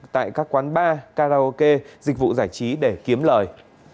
tại các quán bar karaoke dịch vụ giải trí để kiếm lời